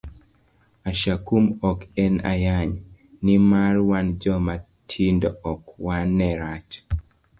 Ashakum ok en ayany, nimar wan joma tindo ok wane rach.